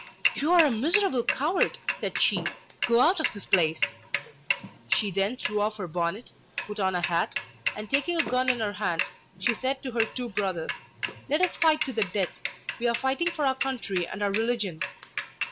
"You are a miserable coward!" said she. "Go out of this place." She then threw off her bonnet, put on a hat, and taking a gun in her hand she said to her two brothers: "Let us fight to the death. We are fighting for our country and our religion."